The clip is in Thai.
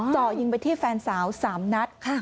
เจาะยิงไปที่แฟนสาว๓นัด